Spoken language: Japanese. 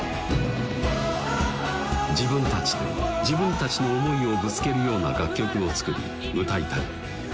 自分たちで自分たちの思いをぶつけるような楽曲を作り歌いたい